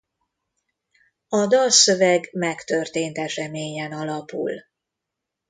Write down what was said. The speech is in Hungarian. A dalszöveg megtörtént eseményen alapul.